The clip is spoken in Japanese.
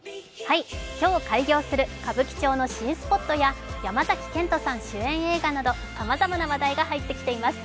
今日開業する歌舞伎町の新スポットや山崎賢人さん主演映画など、さまざまな話題が入ってきています。